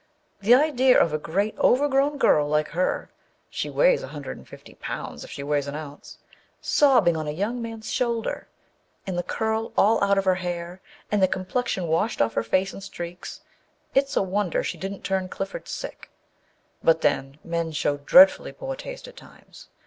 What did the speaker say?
The idea of a great, overgrown girl like her (she weighs a hundred and fifty pounds if she weighs an ounce) sobbing on a young man's shoulder ! and the curl all out of her hair, and the complexion washed off her face in streaks. It's a wonder she didn't turn Clifford sick; but, then, men show dreadfully poor taste at times.